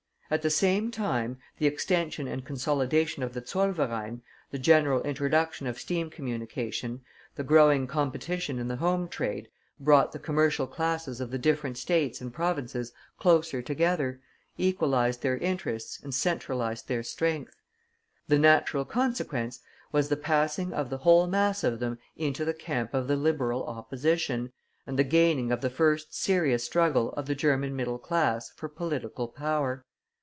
At the same time the extension and consolidation of the Zollverein, the general introduction of steam communication, the growing competition in the home trade, brought the commercial classes of the different States and Provinces closer together, equalized their interests and centralized their strength. The natural consequence was the passing of the whole mass of them into the camp of the Liberal Opposition, and the gaining of the first serious struggle of the German middle class for political power.